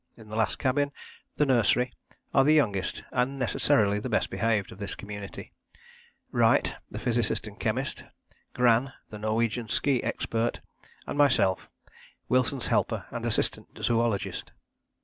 In the last cabin, the Nursery, are the youngest, and necessarily the best behaved, of this community, Wright, the physicist and chemist, Gran the Norwegian ski expert, and myself, Wilson's helper and assistant zoologist.